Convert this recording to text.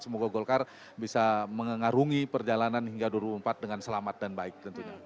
semoga golkar bisa mengarungi perjalanan hingga dua ribu empat dengan selamat dan baik tentunya